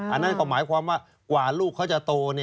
อันนั้นก็หมายความว่ากว่าลูกเขาจะโต